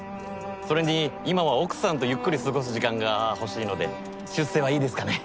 それに今は奥さんとゆっくり過ごす時間が欲しいので出世はいいですかね。